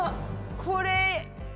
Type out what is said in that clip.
これ。